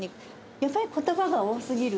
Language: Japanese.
やっぱり言葉が多すぎるんですよね。